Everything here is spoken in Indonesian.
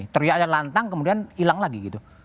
teriaknya lantang kemudian hilang lagi gitu